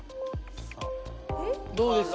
どうですか？